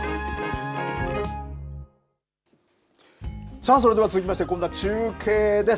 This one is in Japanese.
さあ、それでは続きまして、今度は中継です。